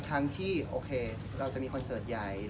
แต่ตอนนี้แม่ไม่อยู่